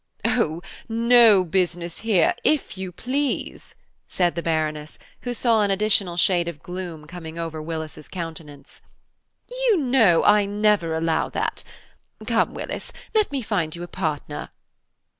"Oh, no business here, if you please!" said the Baroness, who saw an additional shade of gloom coming over Willis's countenance; "you know I never allow that. Come, Willis, let me find you a partner."